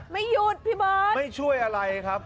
ไม่หยุดพี่เบิร์ตไม่ช่วยอะไรครับ